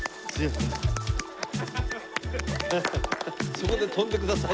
そこで跳んでください。